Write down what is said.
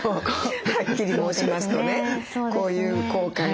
はっきり申しますとねこういう効果が。